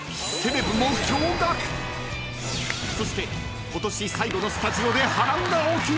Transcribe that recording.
［そして今年最後のスタジオで波乱が起きる］